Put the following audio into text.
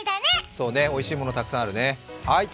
そうね、おいしいものたくさんあるね。